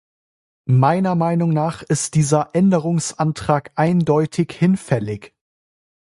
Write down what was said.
Meiner Meinung nach ist dieser Änderungsantrag eindeutig hinfällig.